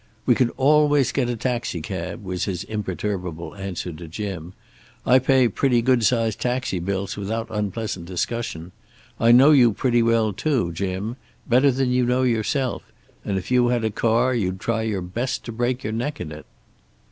"We can always get a taxicab," was his imperturbable answer to Jim. "I pay pretty good sized taxi bills without unpleasant discussion. I know you pretty well too, Jim. Better than you know yourself. And if you had a car, you'd try your best to break your neck in it."